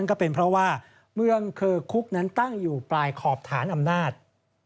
ก็เป็นเพราะว่าเมืองเคอร์คุกนั้นตั้งอยู่ปลายขอบฐานอำนาจ